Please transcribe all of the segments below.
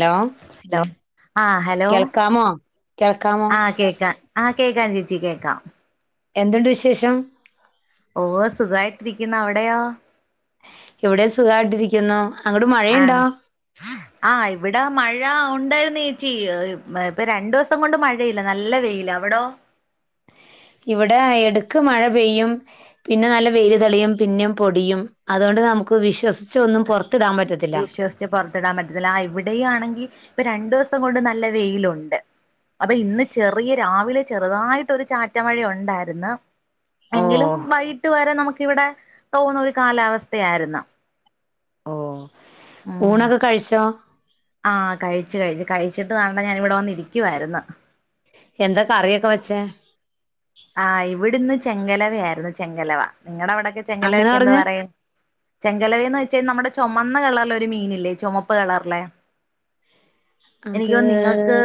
Hello ലോ ആഹ് hello കേൾക്കാമോ കേൾക്കാമോ ആഹ് കേക്ക. ആഹ് കേക്കാം ചേച്ചീ കേക്കാം. എന്തുണ്ട് വിശേഷം. ഉവ്വ് സുഖായിട്ടിരിക്ക്ന്ന് അവിടെയോ. ഇവിടെ സുഖായിട്ടിരിക്ക്യുന്നു അങ്ങട്ട് മഴയുണ്ടോ. ആഹ് ഇവ്ട മഴ ഒണ്ടായിര്ന്നേച്ചി ഇപ്പ രണ്ടുവ്സം കൊണ്ട് മഴയില്ല നല്ല വെയിലാ അവ്ടോ. ഇവടെ എടക്ക് മഴ പെയ്യും. പിന്ന നല്ല വെയില് തെളിയും പിന്നെം പൊടിയും അത്കൊണ്ട് നമുക്ക് വിശ്വസ്ച്ചൊന്നും പൊർത്തിടാ പറ്റത്തില്ല. ച് പൊറ്ത്തിടാൻ പറ്റത്തില്ല ആ ഇവിടെയാണെങ്കി ഇപ്പ രണ്ടൂവസം കൊണ്ട് നല്ല വെയിലൊണ്ട്. അപ്പ ഇന്ന് ചെറിയ രാവിലെ ചെറ്തായിട്ടൊരു ചാറ്റ മഴയൊണ്ടായിര്ന്ന്. ഓ എങ്കിലും വൈകിട്ട് വരെ നമുക്കിവിടെ തോന്നൊരു കാലാവസ്ഥയായിര്ന്ന്. ഓഹ് ഊണൊക്ക കഴിച്ചോ. ആഹ് കഴിച്ച് കഴിച്ച് കഴിച്ചിട്ട് താണ്ടെ ഞാൻ ഇവിടെ വന്ന് ഇരിക്ക്യുവായിര്ന്ന്. എന്ത കറിയൊക്കെ വച്ചേ. ആഹ് ഇവിടിന്ന് ചെങ്കലവയായിര്ന്നു ചെങ്കലവ നിങ്ങടവ്ടെക്കെ അങ്ങനെ ചെങ്കലവക്കാന്ത പറഞ്ഞ പറയും. ചെങ്കലവേന്ന് വെച്ച നമ്മടെ ചൊമന്ന കളർലൊര് മീനില്ലേ ചൊമപ്പ് കളർലെ. അത് എനിക്ക്യോന്നു നിങ്ങക്ക്.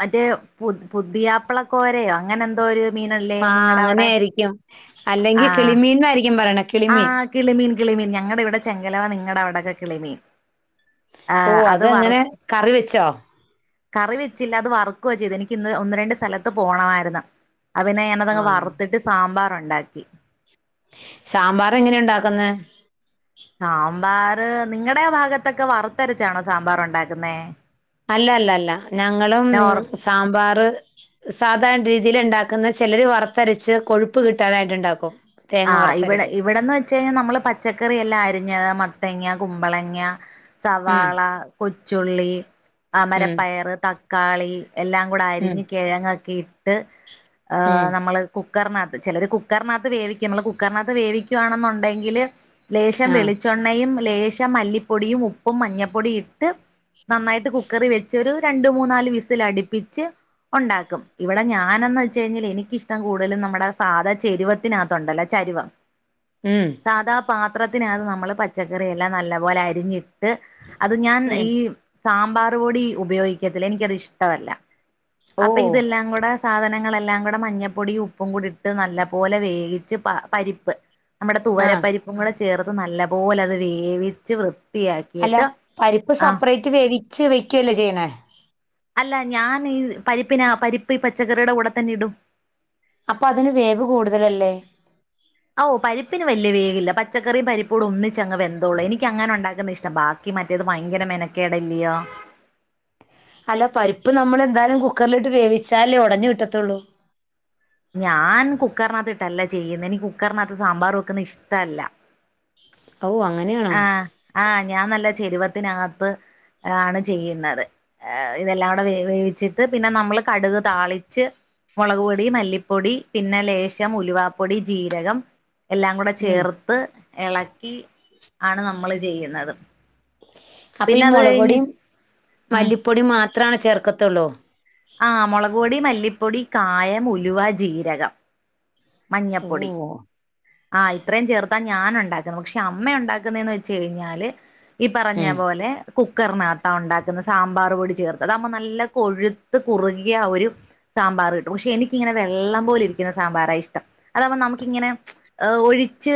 മറ്റേ പു പുത്യാപ്പ്ളക്കോരയോ അങ്ങനെന്തോര്. ആഹ് അങ്ങനേയ്രിക്ക്യും അല്ലെങ്കി ആഹ് കിളിമീൻന്നായിരിക്കും പറയണെ കിളിമീൻ. ആഹ് കിളിമീൻ കിളിമീൻ ഞങ്ങടെവ്ടെ ചെങ്കലവ നിങ്ങടവ്ടൊക്കെ കിളിമീൻ. ആഹ് ഓഹ് അത് വറ അതെങ്ങനെ കറി വെച്ചോ. കറി വെച്ചില്ല അത് വറുക്കുവാ ചെയ്തെ എനിക്കിന്ന് ഒന്ന് രണ്ട് സ്ഥലത്ത് പോണവായിര്ന്ന്. അ പിന്നെ ആ ഞാനതങ്ങ് വറ്ത്തിട്ട് സാമ്പാറൊണ്ടാക്കി സാമ്പാറെങ്ങനെ ഒണ്ടാക്ക്ന്നെ. സാമ്പാറ് നിങ്ങടെ ആ ഭാഗത്തൊക്കെ വറുത്തരച്ചാണോ സാമ്പാറൊണ്ടാക്ക്ന്നേ. അല്ലല്ലല്ല ഞങ്ങളും സാമ്പാറ് സാധാര്ണ രീതിയില്ണ്ടാക്ക്ന്ന് ചെലര് വർത്തരച്ച് കൊഴുപ്പ് കിട്ടാനായിട്ട്ണ്ടാക്കും. ആഹ് ഇവിടെ ഇവിടെന്ന് വെ ച്ചയ്ഞ്ഞാ നമ്മള് പച്ചക്കറിയെല്ലാം അരിഞ്ഞ് മത്തങ്ങ്യ കുമ്പളങ്ങ്യ ഉം സവാള. കൊച്ചുള്ളി ഉം അമരപ്പയറ് തക്കാളി എല്ലാം. കൂട ഉം അരിഞ്ഞ് കിഴങ്ങൊക്കെ ഇട്ട് ഉം ഏഹ് നമ്മള്. കുക്കർനാത്ത് ചെലര് കുക്കർനാത്ത് വേവിക്ക്യും മ്മള് കുക്കർനാത്ത് വേവിക്കുവാണെന്നൊണ്ടെങ്കില്. ലേശം ആ വെളിച്ചൊണ്ണയും ലേശം മല്ലിപ്പൊടിയും ഉപ്പും മഞ്ഞപ്പൊടിയു ഇട്ട്. നന്നായിട്ട് കുക്കറീ വെച്ച് ഒരു രണ്ട് മൂന്നാല് വിസിലടിപ്പിച്ച്. ഒണ്ടാക്കും ഇവിടെ ഞാനെന്ന് വെച്ചയ്ഞ്ഞാലെനിക്കിഷ്ടം കൂട്തലും നമ്മടെ സാധാ ചെരുവത്തിനാ തൊണ്ടല്ലൊ ചരുവം. ഉം. സാധാ പാത്രത്തിനകത് നമ്മള് പച്ചക്കറിയെല്ലാം നല്ല പോലെ അരിഞ്ഞിട്ട്. അത് ഞാൻ ഉം ഈ സാമ്പാറ്പൊടി ഉപയോഗിക്ക്യത്തില്ല എനിക്കതിഷ്ടവല്ല. ഓ അപ്പ ഇതെല്ലാം കൂടെ സാധനങ്ങളെല്ലാം കൂടെ മഞ്ഞപ്പൊടിയും ഉപ്പും കൂടിട്ട് നല്ലപോലെ വേവി ച്ച് പ പരിപ്പ് നമ്മടെ ആ തുവരപ്പരിപ്പും കൂടെ ചേർത്ത് നല്ല പോലത് വേവിച്ച് വൃ അല്ല പരിപ്പ് സപ്പ്റേറ്റ് വേവിച്ച് വെക്ക്യല്ലേ ചെയ്യണേ അല്ല ഞാൻ ഈ പരിപ്പിനാ പരിപ്പ് ഈ പച്ചക്കറിയുടെ കൂടെ തന്നെ ഇടും അപ്പൊ അതിന് വേവ് കൂടുതലല്ലേ ഓ പരിപ്പിന് വല്യ വേവില്ല പച്ചക്കറിയും പരിപ്പൂട ഒന്നിച്ച് അങ്ങ് വെന്തോളും എനിക്ക് അങ്ങനെ ഉണ്ടാക്കുന്നയാ ഇഷ്ടം ബാക്കി മറ്റേത് ഭയങ്കര മെനക്കേട് അല്ല്യോ അല്ലോ പരിപ്പ് നമ്മൾ എന്താലും കുക്കറിലിട്ട് വേവിച്ചല്ലേ ഉടഞ്ഞ് കിട്ടത്തോള്ളൂ ഞാൻ കുക്കറിനകത്ത് ഇട്ടല്ല ചെയ്യുന്ന എനിക്ക് കുക്കറിനകത്ത് സാമ്പാർ വെക്കുന്നത് ഇഷ്ടല്ല ഓ അങ്ങനെയാ ആഹ് ആഹ് ഞാൻ നല്ല ചെരുവത്തിനകത്ത് ആണ് ചെയ്യുന്നത് ഇതെല്ലാം കൂടെ വേവിച്ചിട്ട് പിന്നെ നമ്മള് കടുക് താളിച്ച് മുളക് പൊടി മല്ലിപ്പൊടി പിന്നെ ലേശം ഉലുവാപ്പൊടി ജീരകം എല്ലാം കൂടെ ഉം ചേർത്ത് ഇളക്കി ആണ് നമ്മൾ ചെയ്യുന്നത് അപ്പൊ ഈ പിന്നെ അത് മുളക് കഴിഞ്ഞ് പൊടിയും ഉം മല്ലിപ്പൊടിയും മാത്രണ ചേർക്കത്തുള്ളൂ ആഹ് മുളക് പൊടി മല്ലിപ്പൊടി കായം ഉലുവ ജീരകം ഓ മഞ്ഞപ്പൊടി ആഹ് ഇത്രയും ചേർത്താ ഞാൻ ഉണ്ടാക്കുന്ന പക്ഷെ അമ്മ ഉണ്ടാക്കുന്നന്ന് വെച്ച് കഴിഞ്ഞാല് ഈ പറഞ്ഞ ഉം പോലെ കുക്കറിനകത്താ ഉണ്ടാക്കുന്ന സാമ്പാർ പൊടി ചേർത്ത് അതുമ്പ നല്ല കൊഴുത്ത് കുറുകിയ ആ ഒരു സാമ്പാർ കിട്ടും പക്ഷെ എനിക്കിങ്ങനെ വെള്ളം പോല ഇരിക്കുന്ന സാമ്പാറാ ഇഷ്ടം അതപ്പം നമുക്കിങ്ങനെ ഹ ഒഴിച്ച്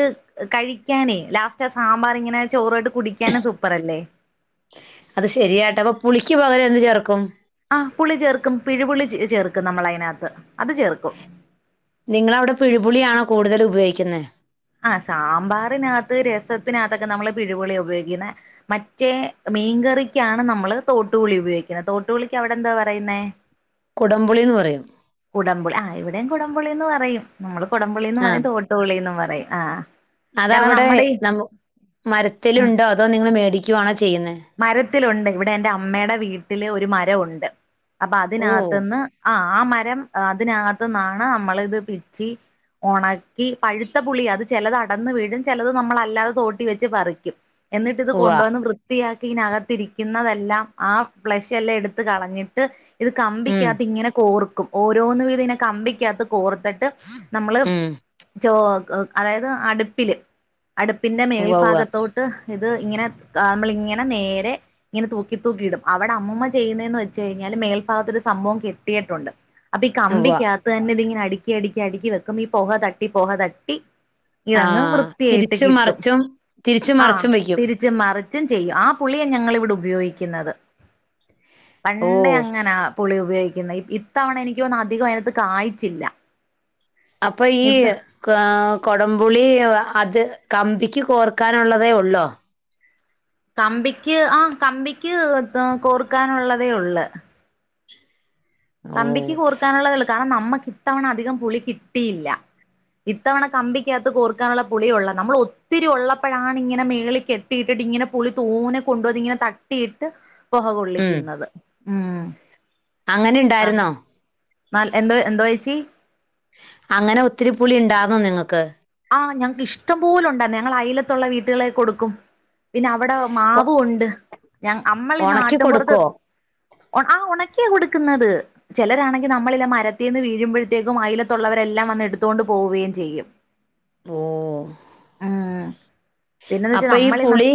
കഴിക്കാനേ ലാസ്റ്റ് സാമ്പാർ ഇങ്ങനെ ചോറോട്ട് കുടിക്കാനും സൂപ്പർ അല്ലേ അത് ശരിയായിട്ട് അപ്പൊ പുളിക്ക് പകരം എന്ത് ചേർക്കും ആഹ് പുളി ചേർക്കും പിഴുപുുള്ളി ചേർക്കും നമ്മൾ അതിനകത്ത് അത് ചേർക്കും നിങ്ങളവിടെ പിഴുപുളിയാണോ കൂടുതൽ ഉപയോഗിക്കുന്നത് ആഹ് സാമ്പാറിനകത്ത് രസത്തിനകത്തൊക്കെ നമ്മള് പിഴ്പൊളി ഉപയോഗിക്കുന്ന മറ്റേ മീൻകറിക്കാണ് നമ്മള് തോട്ടുപുളി ഉപയോഗിക്കുന്നത് തോട്ടുപുളിക്ക് അവിടെ എന്താ പറയുന്നത് കൊടംപുളിന്ന് പറയും കുടംപുളി ആ ഇവിടെയും കുടംപുളിന്ന് പറയും നമ്മള് കുടംപുളിന്ന് ആ പറയും തോട്ടുപുളിന്നും പറയും ആഹ് കാരണം അതവിടെ നമ്മുടെ ഈ ന മരത്തിലുണ്ടോ അതോ നിങ്ങൾ മേടിക്കുവാണോ ചെയ്യുന്നേ മരത്തിലുണ്ട് ഇവിടെ എറെ അമ്മയുടെ വീട്ടില് ഒരു മരംഒണ്ട് അപ്പൊ ഓ അതിനകത്തുന്ന് ആഹ് ആ മരം അതിനകത്തന്നാണ് നമ്മള് ഇത് പിച്ചി ഉണക്കി പഴുത്ത പുളി അത് ചിലത് അടന്ന് വീടും ചിലത് നമ്മള് അല്ലാതെ തോട്ടി വെച്ച് പറിക്കും എന്നിട്ട് ഇത് ഉവ്വ കൊണ്ട് വന്ന് വൃത്തി ത്തിയാക്കി ഇതിനകത്തിരിക്കുന്നതെല്ലാം ആ ഫ്ലഷ് എല്ലാം എടുത്ത് കളഞ്ഞിട്ട് ഇത് ഉം കമ്പിക്കകത്ത് ഇങ്ങനെ കോർക്കും ഓരോന്ന് വീതം ഇങനെ കമ്പിക്കാകത്ത് കോർത്തിട്ട് നമ്മൾ ഉം ചോ അതായത് അടുപ്പിൽ അടുപ്പിൻ്റെ ഉവ്വ ഉവ്വ മേൽഭാഗത്തോട്ട് ഇത് ഇങ്ങനെ നമ്മളിങ്ങനെ നേരെ ഇങ്ങനെ തൂക്കി തൂക്കിയിടും അവിടെ അമ്മ ചെയ്യുന്നതെന്ന് വെച്ച് കഴിഞ്ഞാല് മേൽഭാഗത്ത് ഒരു സംഭവം കെട്ടിയിട്ടുണ്ട് അപ്പൊ ഈ ഉവ്വ കമ്പിക്കകത്ത് തന്നെ ഇതിങ്ങനെ അടുക്കി അടുക്കി അടുക്കി വെക്കും ഈ പൊഹ തട്ടി പൊഹ തട്ടി ആ ഇതങ്ങ് വൃത്തിയായിട്ട് തിരിച്ചും കിട്ടും മറിച്ചും തിരിച്ചും ആ മറിച്ചും വെക്കും തിരി ച്ചും മറിച്ചും ചെയ്യും ആ പുളിയാ ഞങ്ങളിവിടെ ഉപയോഗിക്കുന്നത് ഓ പണ്ടേ അങ്ങനാ പുളി ഉപയോഗിക്കുന്ന ഇത്തവണ എനിക്ക് തോന്നും അധികം അതിനകത്ത് കായ്ച്ചില്ല അപ്പൊ ഈ ഇത് കൊടംപുളി അത് കമ്പിക്ക് കോർക്കാനുള്ളതേ ഉള്ളോ കമ്പിക്ക് ആ കമ്പിക്ക് കോർക്കാനുള്ളതേ ഒള്ള് ഓ കമ്പിക്ക് കൂർക്കാനുള്ളതേള്ളൂ കാരണം നമ്മക്ക് ഇത്തവണ അധികം പുളി കിട്ടിയില്ല ഇത്തവണ കമ്പിക്കകത്ത് കോർക്കാനുള്ള പുളിയള്ള നമ്മൾ ഒത്തിരി ഉള്ളപ്പോഴാണ് ഇങ്ങനെ മേളി കെട്ടി കെട്ടിയിട്ടിട്ട് ഇങ്ങനെ പുളി തോനെ കൊണ്ടപോവിതിങ്ങനെ തട്ടിയിട്ട് പൊഹ കൊള്ളിക്കുന്നത് ഉം അങ്ങനെണ്ട് ആഹ് നല് എന്തോ എന്തോ വച്ചി അങ്ങനെ ഒത്തിരി പുളി ഉണ്ടാർന്നോ നിങ്ങക്ക് ആഹ് ഞങ്ങക്ക് ഇഷ്ടംപോലും ഉണ്ടാ ഞങ്ങൾ അയിലത്തുള്ള വീട്ടുകളെ കൊടുക്കും പിന്നെ അവിടെ മാവ ഒ- ഉണ്ട് ഞാൻ അമ്മളീ ഉണക്കി നാട്ടിൻപറത്ത് കൊടുക്കോ ആഹ് ഒണക്കിയാ കൊടുക്കുന്നത് ചിലരാണെങ്കിൽ നമ്മളല്ല മരത്തിൽ നിന്ന് വീഴുമ്പോഴത്തേക്കും അയിലത്തുള്ളവരെല്ലാം വന്ന് എടുത്തുകൊണ്ട് പോവുകയും ചെയ്യും ഓഹ് ഉം പിന്നെന്ന് വെച്ചാ അപ്പൊ ഈ നമ്മളിന്നാ പുളി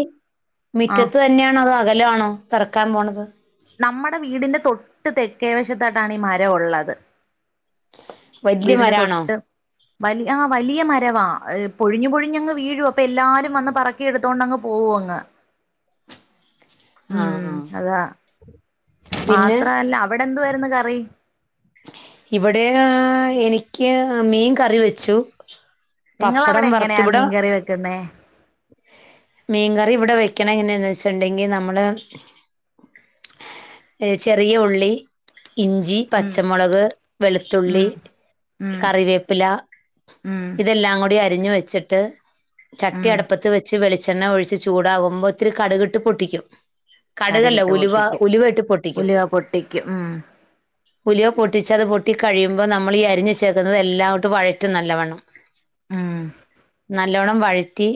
ആഹ് മുറ്റത്ത് തന്നെയാണോ അത് അകലാണോ പിറക്കാൻ പോണത് നമ്മുടെ വീടിന്റെ തൊട്ട് തെക്കേ വശത്തായിട്ടാണ് ഈ മരംള്ളത് വല്യ വീടിന്റെ മരാണോ തൊട്ട് വലിയ ആഹ് വലിയ മ വ വ പൊഴിഞ്ഞു പൊഴിഞ്ഞഞ്ങ് വീഴു അപ്പൊ എല്ലാരും വന്ന് പറക്കിെടുത്തോണ്ട്ങ് പോവും അങ്ങ് ആഹ് ഉം ആഹ് അതാ പിന്നെ മാത്രല്ല അവിടെ എന്തു വരുന്നു കറി ഇവിടെ എനിക്ക് മീൻ കറി വെച്ചു പപ്പടം നിങ്ങളവിടെ വറുത്ത് എങ്ങനെയാ ഇവിടെ മീൻകറി വെക്കുന്ന മീൻകറി ഇവിടെ വെക്കണ എങ്ങനെയെന്ന് വെച്ചിണ്ടെങ്കിൽ നമ്മൾ ചെറിയ ഉള്ളി ഇഞ്ചി ഉം പച്ചമുളക് വെളുത്തുള്ളി ഉം ഉം കറിവേപ്പില ഉം ഇതെല്ലാം കൂടി അരിഞ്ഞു വെച്ചിട്ട് ഉം ചട്ടിയടപ്പത്ത് വെച്ച് വളിച്ച ച്ചെണ്ണ ഒഴിച്ച് ചൂടാകുമ്പോ ഒത്തിരി കടുകിട്ട് പൊട്ടിക്കും കടുകല്ലേ കടുകിട്ട് ഉലുവ ഉലുവ ഇട്ട് പൊട്ടിക്കും ട്ടേക്ക് ഉം ഉലിയോ പൊട്ടിച്ച അത് പൊട്ടി കഴിയുമ്പോൾ നമ്മൾ ഈ അരിഞ്ഞു ചേക്കുന്നത് എല്ലാംട്ടും പഴറ്റും നല്ലവണ്ണം ഉം നല്ലോണ്ണം വഴറ്റി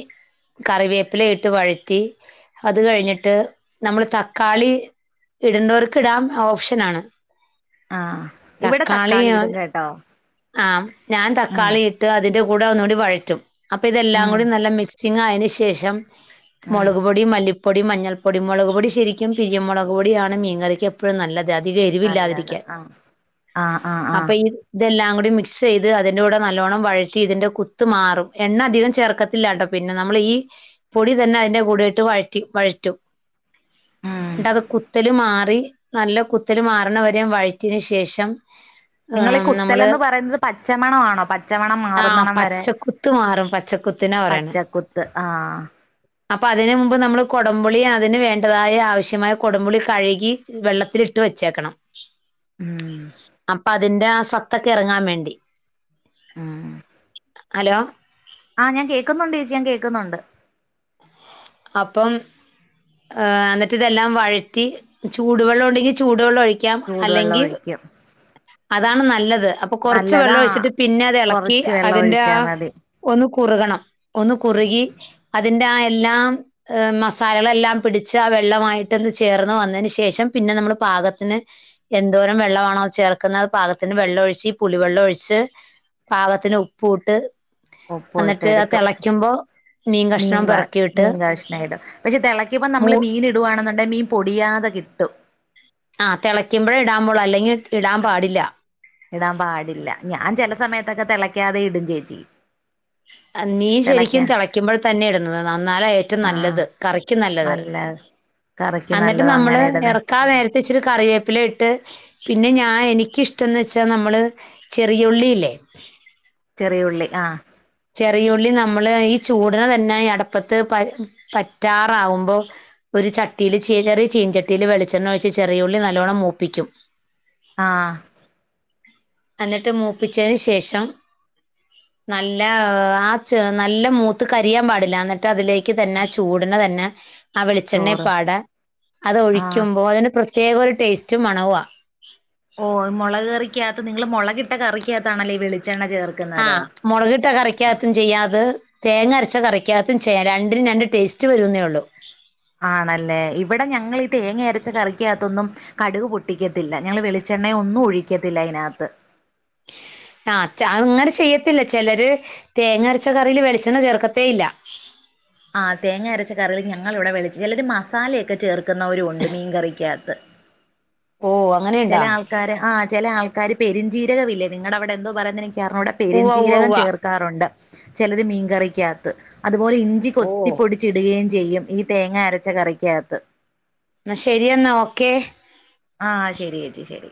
കറിവേപ്പില ഇട്ട് വഴറ്റി അത് കഴിഞ്ഞിട്ട് നമ്മള് തക്കാളി ഇടുണ്ടോർക്ക് ഡാം ഓപ്ഷൻ ആണ് ആഹ് ഇവിടെ തക്കാളി ഇടും കേട്ടോ ആ ഞാൻ ഉം തക്കാളി ഇട്ട് അതിന്റെ കൂടെ ഒന്നുകൂടി വഴറ്റും അപ്പൊ ഇതെല്ലാം ഉം കൂടി നല്ല മിക്സിന് ശേഷം ഉം മുളക് പൊടി മല്ലിപ്പ പൊടി മഞ്ഞൾപ്പൊടി മുളക് പൊടി ശരിക്കും പിരിയ മുളക് പൊടിയാണ് മീൻകറിക്ക് എപ്പോഴും നല്ലത് അത അധിക നല്ലത് എരിവില്ലാതിരിക്കാൻ ആ ആ ആ ആ അപ്പൊ ഇതെല്ലാം കൂടി മിക്സ് ചെയ്ത് അതിൻ്റെ കൂടെ നല്ലോണ്ണം വഴറ്റി ഇതിൻന്റെ കുത്ത് മാറും എണ്ണ അധികം ചേർക്ക ല്ല കേട്ടോ പിന്നെ നമ്മൾ ഈ പൊടി തന്നെ അതിന്റെ കൂടെട്ട് വഴറ്റി വഴറ്റും ഉം ഇണ്ടത് കുത്തല് മാറി നല്ല കുത്തല് മാറണവരെയ വഴറ്റന് ശേഷം നിങ്ങളെ ഏഹ് കു നമ്മള് മുത്തലന്ന് പറയുന്നത് പച്ചമണ ആണോ പച്ചമണം ആഹ് മാറുന്നണം വരെ പച്ചക്കുത്ത് മാറും പച്ചക്കു ത്ത് ആഹ് [inaudible] അപ്പൾ അതിന് മുമ്പ് നമ്മൾ കൊടംപുളി അതിന് വേണ്ടതായ ആവശ്യമായ കുടംപുളി കഴുകി വെള്ളത്തിലിട്ട് വെച്ചേക്കണം ഉം അപ്പൊ അതിന്റെ ആഹ് സത്തൊക്കെ ഇറങ്ങാൻ വേണ്ടി ഉം ഹലോ ആഹ് ഞാൻ കേൾക്കുന്നുണ്ട് ചേച്ചിഞാൻ കേൾക്കുന്നുണ്ട് അപ്പം എന്നിട്ട് ഇതെല്ലാം വഴറ്റി ചൂടുവെള്ളം ഉണ്ടെങ്കിൽ ചൂടുവെള്ളം ഒഴിക്കും ക്കാം ചൂടുവെള്ളം അല്ലെങ്കിൽ ഒഴിക്കും അതാണ് നല്ലത് അപ്പൊ കൊറച്ച് നല്ലതാ വെള്ളം ഒഴിച്ചിട്ട് പിന്നെ അത് ഇളക്കി കൊറച്ച് വെള്ളം അതിന്റെ ഒഴിച്ചാ ആഹ് മതി ഒന്ന് കുറുകണം ഒന്ന് കുറുകി അതിന്റെ ആ എല്ലാം മസാലകളെല്ലാം പിടിച്ച് ആ വെള്ളമായിട്ട്ന്ന് ചേർന്ന് വന്നതിന് ശേഷം പിന്നെ നമ്മള് പാകത്തിന് എന്തോരം വെള്ളമാണോ ചേർക്കുന്നത് പാകത്തിന് വെള്ളം ഒഴിച്ച് ഈ പുളി വെള്ളം ഒഴിച്ച് പാകത്തിന് ഉപ്പൂട്ട് ഉപ്പുവിട്ട് എന്നിട്ട് അത് എടുക്കും തിളക്കുമ്പോ മീൻ കഷ്ണം പറക്കിയിട്ട് ട പക്ഷെ തിളക്കമ്പം നമ്മള് മീൻ ഇടുകവാണെന്നുണ്ടങ്ക മീൻ പൊടിയാതെ കിട്ടും ആഹ് തിളയ്ക്കുമ്പോഴ ഇടാൻ മോള് അല്ലെങ്കിൽ ഇടാൻ പാടില്ല ഇടാൻ പാടില്ല ഞാൻ ചില സമയത്തൊക്കെ തിളയ്ക്കാതെ ഇടും ചേച്ചി മീ ശരിക്കും തിളയ്ക്കാ തിളയ്ക്കുമ്പോൾ തന്നെ ഇടുന്നത് നന്നാല ഏറ്റവും നല്ലത് കറിക്കും നല്ലത് അല്ല എന്നിട്ട് നമ്മള് എറക്കാം നേരത്ത് ഇച്ചിരി കറിവേപ്പില ഇട്ട് പിന്നെ ഞാൻ എനിക്കിഷ്ടംന്ന് വെച്ചാൽ നമ്മൾ ചെറിയുള്ളില്ലേ ചെറിയ ഉള്ളി ആ ചെറിയുള്ളി നമ്മള് ഈ ചൂടിനെ തന്നെ അടപ്പത്ത് പ പറ്റാറാവുമ്പോ ഒരു ചട്ടിയിയില് ച ചെറിയ ചീൻചട്ടിൽ വെളിച്ചെണ്ണ ഒഴച്ച് ചെറിയ ഉള്ളി നല്ലോണ്ണം മൂപ്പിക്കും ആഹ് എന്നിട്ട് മൂപ്പിച്ചതിന് ശേഷം നല്ല ആഹ് നല്ല മൂത്ത് കരിയാാൻ പാടില്ല എന്നട്ട് ട്ട് അതിലേക്ക് തന്നെ ആഹ് ചൂടിനെ തന്നെ ആ ചോറ് വെളിച്ചെണ്ണപ്പാട അത് ആഹ് ഒഴിക്കുമ്പോ അതിന് പ്രത്യേക ഒരു ടേസ്റ്റ് മണവുവാ ഓ മുളകറിക്കാത്ത് നിങ്ങള് മുളകിട്ട കറിക്കാത്താണല്ലേ വളെണ്ണ ചേർ ആഹ് മുളകിട്ട കറിക്കാത്തും ചെയ്യാത് തേങ്ങ അരച്ച കറിക്കാത്തും ചെയ്യാം രണ്ടിനും രണ്ട് ടേസ്റ്റ് വരുന്നേ ഉള്ളൂ ആണല്ലേ ഇവിടെ ഞങ്ങി തേങ്ങ അരച്ച കറിക്കാത്തൊന്നും കടുക് പൊട്ടിക്കത്തില്ല ഞങ്ങൾ വെളിച്ചെണ്ണ ഒന്നും ഒഴിക്കത്തില്ല അതിനകത്ത് ആഹ് ച അങ്ങനെ ചെയ്യത്തില്ല ചിലര് തേങ്ങ അരച്ച കറീല് വെളിച്ചെണ്ണ ചേർക്കത്തേ ഇല്ല ആ തേങ്ങ അരച്ച കറികൾ ഞങ്ങൾ ഇവിടെ വെളി ചിലരു മസാലയൊക്കെ ചേർക്കുന്നവരു ഉണ്ട് മീൻകറിക്കാത്ത് ഓ അ ചില ആൾക്കാര് ആ ചില ആൾക്കാര് പെരുഞ്ചീരകവില്ലേ നിങ്ങളുടെ അവിടെ എന്തോ പറയന്നെനിക്കറിഞ്ഞുട ഉവ്വ ഉവ്വ പെരുഞ്ചീരകം ഉവ്വ ചേർക്കാറുണ്ട് ചിലത് മീൻകറിക്കാത്ത് അതുപോലെ ഇഞ്ചി ഓ കൊത്തിപ്പൊടി ചിടുകയും ചെയ്യും ഈ തേങ്ങ അരച്ച കറിയ്ക്കകത്ത് എന്നാ ശരി എന്നാൽ ഓക്കെ ആഹ് ശരി ചേച്ചി ശരി